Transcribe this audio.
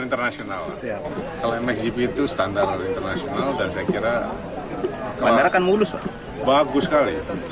internasional siapa kalau mxgp itu standar dan saya kira bandara kan mulus bagus sekali